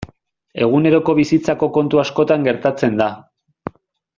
Eguneroko bizitzako kontu askotan gertatzen da.